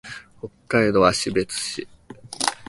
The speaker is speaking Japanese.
北海道芦別市